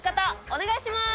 お願いします。